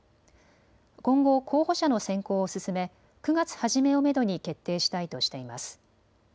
今後、候補者の選考を進め９月初めをめどに決定したいとしています。